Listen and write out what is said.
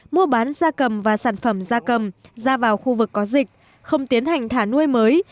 mua bán da cầm và sản phẩm da cầm ra vào khu vực có dịch không tiến hành thả nuôi mới